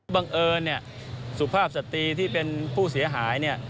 บังเอิญสุภาพสตรีที่เป็นผู้เสียหายเนี่ย